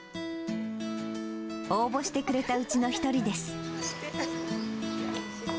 応募してくれたうちの一人です。